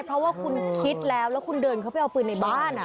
เพราะว่าคุณคิดแล้วแล้วคุณเดินเข้าไปเอาปืนในบ้าน